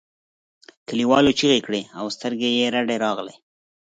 کليوالو چیغې کړې او سترګې یې رډې راغلې.